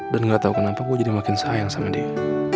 dan gak tau kenapa gue jadi makin sayang sama dia